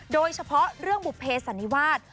โดยเฉพาะเรื่องบุภเพสันนิวาส